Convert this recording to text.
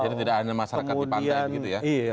jadi tidak ada masyarakat di pantai gitu ya